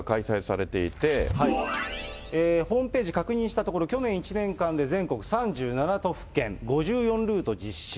ホームページ確認したところ、去年１年間で全国３７都府県、５４ルート実施。